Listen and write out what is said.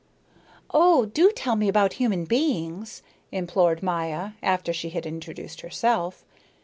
"Oh, do tell me about human beings," implored Maya, after she had introduced herself.